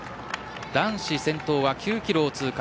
男子先頭は９キロを通過。